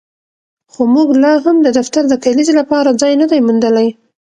خو موږ لاهم د دفتر د کلیزې لپاره ځای نه دی موندلی